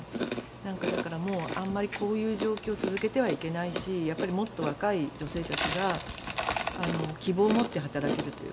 なんかだからもうあんまりこういう状況を続けてはいけないしやっぱりもっと若い女性たちが希望を持って働けるというか。